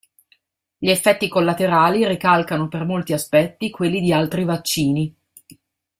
Gli effetti collaterali ricalcano per molti aspetti quelli di altri vaccini.